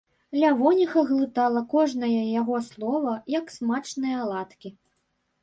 Лявоніха глытала кожнае яго слова, як смачныя аладкі.